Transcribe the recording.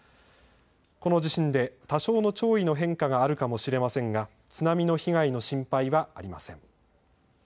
この地震で多少の潮位の変化があるかもしれませんが津波の被害の心配はありません。